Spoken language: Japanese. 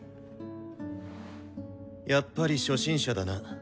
やっぱり初心者だな。